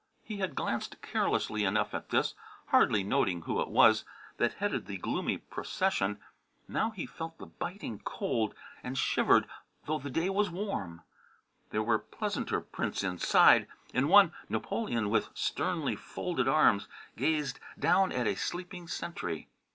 He had glanced carelessly enough at this, hardly noting who it was that headed the gloomy procession. Now he felt the biting cold, and shivered, though the day was warm. There were pleasanter prints inside. In one, Napoleon with sternly folded arms gazed down at a sleeping sentry.